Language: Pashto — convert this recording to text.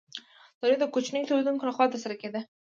تولید د کوچنیو تولیدونکو لخوا ترسره کیده.